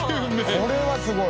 これすごい。